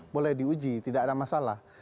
boleh diuji tidak ada masalah